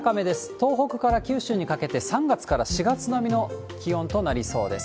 東北から九州にかけて３月から４月並みの気温となりそうです。